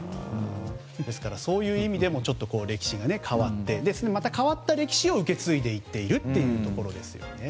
そういう意味でも歴史が変わってまた変わった歴史を受け継いでいっているところですよね。